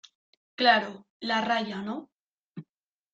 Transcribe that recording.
claro, la raya ,¿ no?